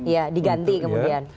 ya diganti kemudian